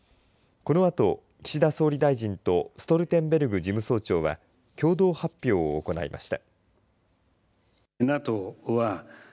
このあと岸田総理大臣とストルテンベルグ事務総長は共同発表を行いました。